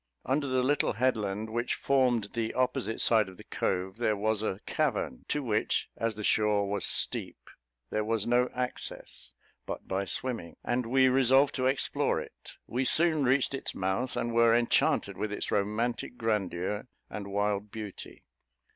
Under the little headland, which formed the opposite side of the cove, there was a cavern, to which, as the shore was steep, there was no access but by swimming, and we resolved to explore it. We soon reached its mouth, and were enchanted with its romantic grandeur and wild beauty.